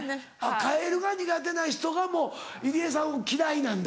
カエルが苦手な人がもう入江さんを嫌いなんだ。